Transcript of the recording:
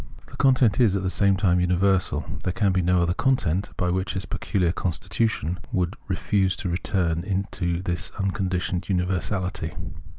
This content is at the same time universal ; there can be no other content which by its peculiar constitution would refuse to return into this unconditioned universahty.